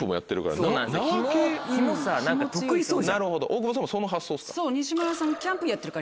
大久保さんもその発想ですか？